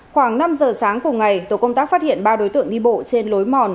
khoảng năm giờ sáng cùng ngày tổ công tác phát hiện ba đối tượng đi bộ trên lối mòn